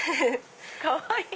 かわいい！